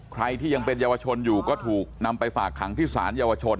ใครที่ยังเป็นเยาวชนอยู่ก็ถูกนำไปฝากขังที่ศาลเยาวชน